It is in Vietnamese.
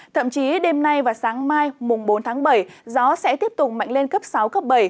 thậm chí đêm nay và sáng mai mùng bốn tháng bảy gió sẽ tiếp tục mạnh lên cấp sáu cấp bảy